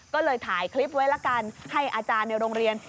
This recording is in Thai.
ก็เลยถ่ายคลิปไว้ละกันให้อาจารย์ในโรงเรียน